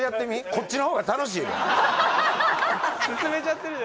こっちの方が楽しいで・